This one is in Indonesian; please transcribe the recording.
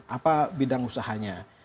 apa bidang usahanya